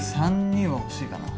３人は欲しいかな